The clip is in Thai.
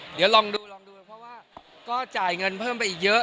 เดี๋ยวลองดูลองดูเพราะว่าก็จ่ายเงินเพิ่มไปอีกเยอะ